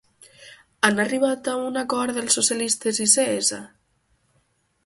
Han arribat a un acord els socialistes i Cs?